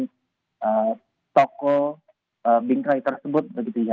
dan juga kekuatan dari tokoh bingkai tersebut